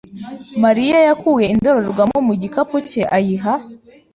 Mariya yakuye indorerwamo mu gikapu cye ayiha .